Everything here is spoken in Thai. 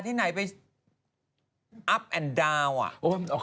พี่ปุ้ยลูกโตแล้ว